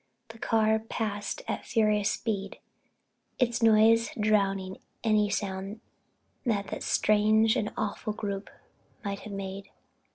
The car passed at furious speed, its noise drowning any sound that that strange and awful group might have made.